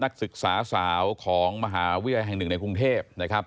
นักศึกษาสาวของมหาวิทยาลัยแห่งรึงในกรุงเทพฯ